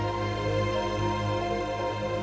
ก็ยังมีปัญหาราคาเข้าเปลือกก็ยังลดต่ำลง